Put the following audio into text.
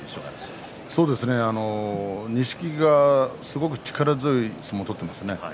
錦木がすごく力強い相撲を取っていますよね。